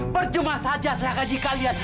berjumah saja saya gaji kalian